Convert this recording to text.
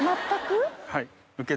はい。